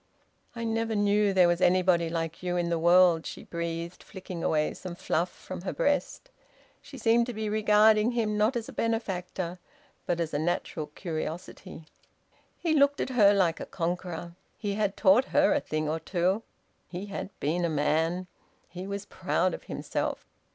"I never knew there was anybody like you in the world," she breathed, flicking away some fluff from her breast. She seemed to be regarding him, not as a benefactor, but as a natural curiosity. SIX. He looked at her like a conqueror. He had taught her a thing or two. He had been a man. He was proud of himself.